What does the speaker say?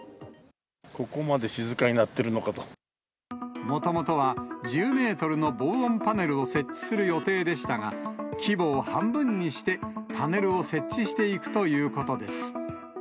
ここまで静かになってるのかもともとは、１０メートルの防音パネルを設置する予定でしたが、規模を半分にして、パネルを設置していくということです。